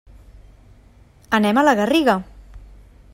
Anem a la Garriga.